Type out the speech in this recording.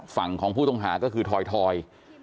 ฝั่งของผู้ต้องหาก็คือถอย